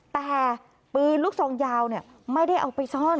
แต่ปืนลูกซองยาวไม่ได้เอาไปซ่อน